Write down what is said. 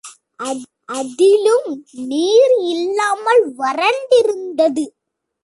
அதிலும் நீர் இல்லாமல் வறண்டிருந்தது.